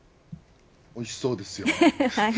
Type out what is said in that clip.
おいしそうですよね。